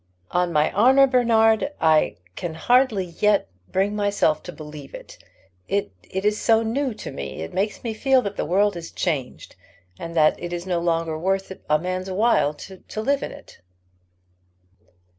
"On my honour, Bernard, I can hardly yet bring myself to believe it. It is so new to me. It makes me feel that the world is changed, and that it is no longer worth a man's while to live in it."